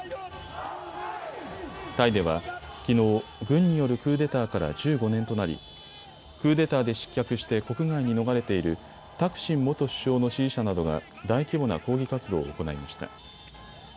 タイでは、きのう、軍によるクーデターから１５年となりクーデターで失脚して国外に逃れているタクシン元首相の支持者などが大規模な抗議活動を行いました。